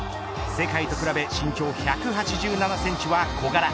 世界と比べ身長１８７センチは小柄。